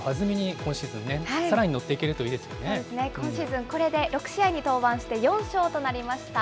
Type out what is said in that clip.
今シーズン、これで６試合に登板して、４勝となりました。